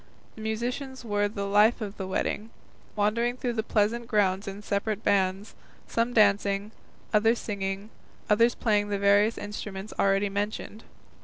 The musicians were the life of the wedding, wandering through the pleasant grounds in separate bands, some dancing, others singing, others playing the various instruments already mentioned.